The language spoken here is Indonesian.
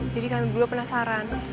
jadi kami berdua penasaran